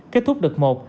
kết thúc đợt một